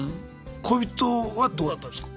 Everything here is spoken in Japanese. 恋人はどうだったんすか？